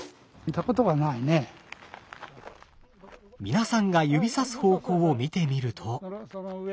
皆さんが指さす方向を見てみると。